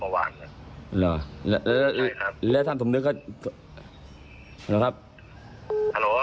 เมื่อวานหรอแล้วแล้วแล้วแล้วแล้วท่านสมนึกก็หรอครับฮัลโหลฮัลโหล